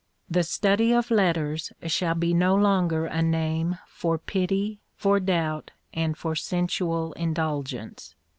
The study of letters shall be no longer a name for pity, for doubt, and for sensual indulgence.